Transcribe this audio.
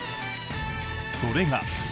それが。